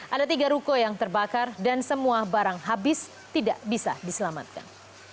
ada tiga ruko yang terbakar dan semua barang habis tidak bisa diselamatkan